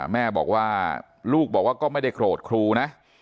แม่บอกว่าลูกบอกว่าก็ไม่ได้โกรธครูนะ